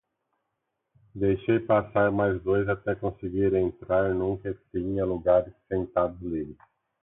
Deixei passar mais dois até conseguir entrar num que tinha lugares sentados livres.